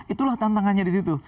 itulah tantangannya di situ